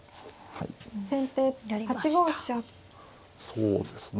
そうですね。